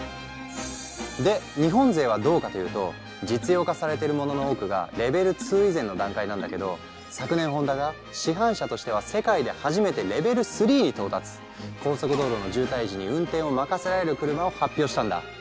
で日本勢はどうかというと実用化されてるものの多くがレベル２以前の段階なんだけど昨年高速道路の渋滞時に運転を任せられる車を発表したんだ。